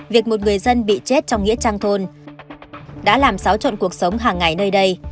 việc một người dân bị chết trong nghĩa trang thôn đã làm xáo trộn cuộc sống hàng ngày nơi đây